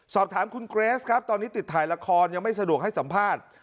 สอบถามคุณเกรสครับตอนนี้ติดถ่ายละครยังไม่สะดวกให้สัมภาษณ์